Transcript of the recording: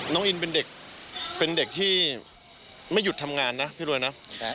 น้องอินเป็นเด็กเป็นเด็กที่ไม่หยุดทำงานนะพี่รวยนะ